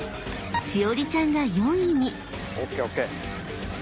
［しおりちゃんが４位に］